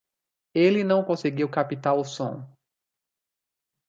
Ele não conseguiu captar o som.